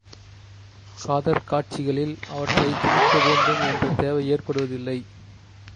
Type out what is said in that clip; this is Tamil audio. காதற் காட்சிகளில் அவற்றைத் திணிக்க வேண்டும் என்ற தேவை ஏற்படுவதில்லை.